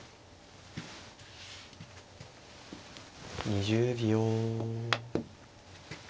２０秒。